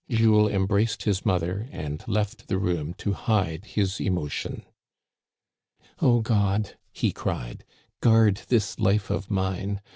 Jules embraced his mother, and left the room to hide his emotion. " O God," he cried, " guard this life of mine